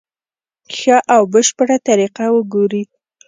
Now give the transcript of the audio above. ښه او بشپړه طریقه وګوري.